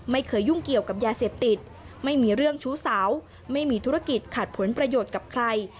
ไม่เคยยุ่งเกี่ยวกับยาเสพติดไม่มีเรื่องชู้สาวไม่มีธุรกิจขัดผลประโยชน์กับใคร